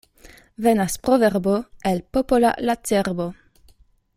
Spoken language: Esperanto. Venas proverbo el popola la cerbo.